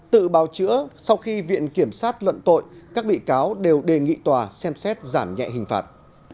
tự bào chữa sau khi viện kiểm sát luận tội các bị cáo đều đề nghị tòa xem xét giảm nhẹ hình phạt